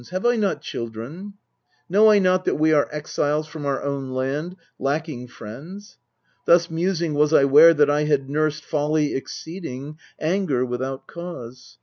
Have I not children ? Know I not that we Are exiles from our own land, lacking friends?" Thus musing, was I 'ware that I had nursed Folly exceeding, anger without cause.